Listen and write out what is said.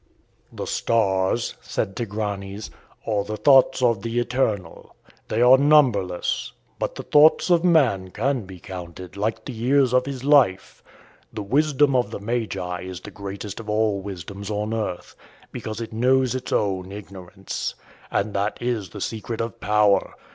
"The stars," said Tigranes, "are the thoughts of the Eternal. They are numberless. But the thoughts of man can be counted, like the years of his life. The wisdom of the Magi is the greatest of all wisdoms on earth, because it knows its own ignorance. And that is the secret of power.